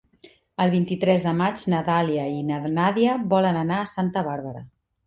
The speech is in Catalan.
El vint-i-tres de maig na Dàlia i na Nàdia volen anar a Santa Bàrbara.